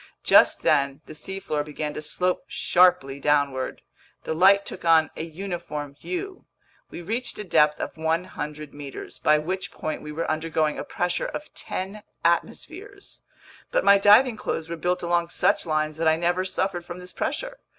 Just then the seafloor began to slope sharply downward. The light took on a uniform hue. We reached a depth of 100 meters, by which point we were undergoing a pressure of ten atmospheres. But my diving clothes were built along such lines that I never suffered from this pressure.